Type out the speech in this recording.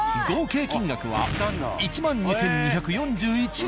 合計金額は１万２２４１円。